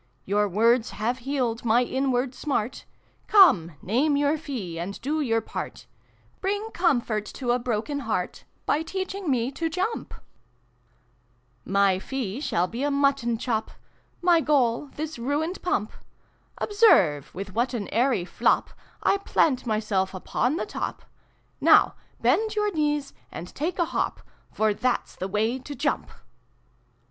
Your words have healed my inward smart Come, name your fee and do your part : Bring comfort to a broken heart, By teaching me to jump !"" My fee shall be a mutton chop, My goal this ruined Pump. Observe with what an airy flop XXIIl] THE PIG TALE. 369 / plant myself upon the top ! Nozv bend your knees and take a hop, For that's the way to jump